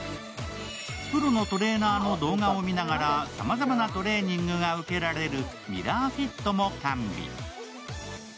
プロのトレーナーの動画を見ながらさまざまなトレーニングが受けれるミラーフィットも完備。